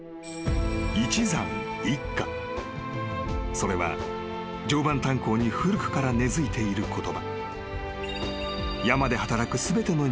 ［それは常磐炭礦に古くから根付いている言葉］